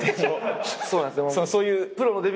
そうなんです。